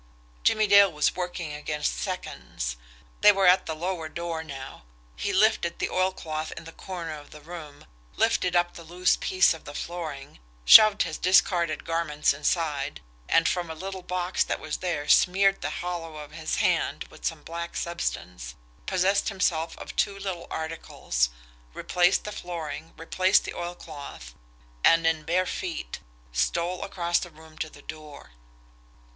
Jimmie Dale was working against seconds. They were at the lower door now. He lifted the oilcloth in the corner of the room, lifted up the loose piece of the flooring, shoved his discarded garments inside, and from a little box that was there smeared the hollow of his hand with some black substance, possessed himself of two little articles, replaced the flooring, replaced the oilcloth, and, in bare feet, stole across the room to the door.